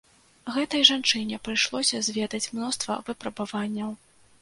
Гэтай жанчыне прыйшлося зведаць мноства выпрабаванняў.